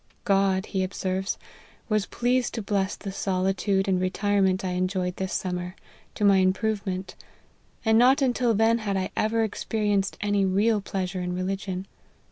" God," he observes, " was pleased to bless the solitude and retirement I enjoyed this summer, to my improvement: and not until then had I ever experienced any real pleasure in religion.